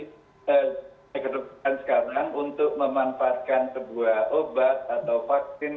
saya kena lakukan sekarang untuk memanfaatkan sebuah obat atau vaksin